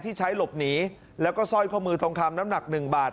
ที่ใช้หลบหนีแล้วก็สร้อยข้อมือทองคำน้ำหนักหนึ่งบาท